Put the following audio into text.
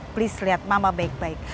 please liat mama baik baik